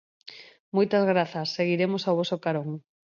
Moitas grazas, seguiremos ao voso carón.